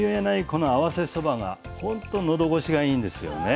この合わせそばがほんと喉越しがいいんですよね。